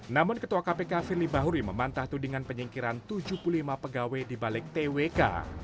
namun ketua kpk fili bahuri memantah tudingan penyingkiran tujuh puluh lima pegawai dibalik twk